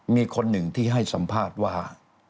มีคนหนึ่งที่ให้สัมภาษณ์ว่า